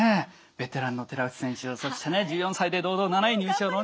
ベテランの寺内選手やそして１４歳で堂々の７位入賞の玉井選手。